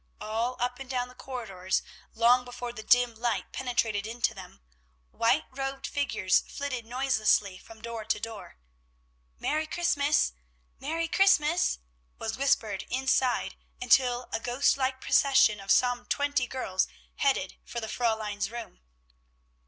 All up and down the corridors, long before the dim light penetrated into them, white robed figures flitted noiselessly from door to door. "Merry Christmas! Merry Christmas!" was whispered inside, until a ghost like procession of some twenty girls headed for the Fräulein's room.